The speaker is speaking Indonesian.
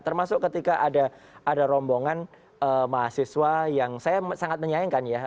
termasuk ketika ada rombongan mahasiswa yang saya sangat menyayangkan ya